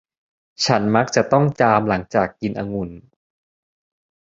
ฉันมักจะต้องจามหลังจากกินองุ่น